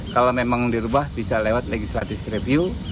kalau memang dirubah bisa lewat legislative review